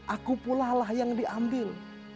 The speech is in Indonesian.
aku pulalah yang diambil